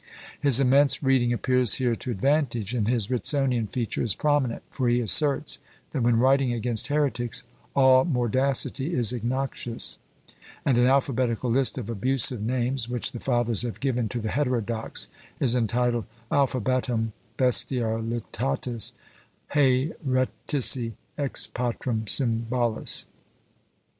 His immense reading appears here to advantage, and his Ritsonian feature is prominent; for he asserts, that when writing against heretics all mordacity is innoxious; and an alphabetical list of abusive names, which the fathers have given to the heterodox is entitled Alphabetum bestialitatis HÃḊretici, ex Patrum Symbolis.